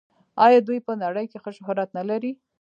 آیا دوی په نړۍ کې ښه شهرت نلري؟